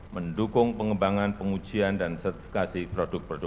mendukung pengembangan pengujian dan sertifikasi produk produk